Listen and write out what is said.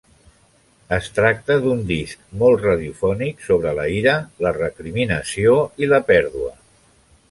Es tracta d'un disc molt radiofònic sobre la ira, la recriminació i la pèrdua.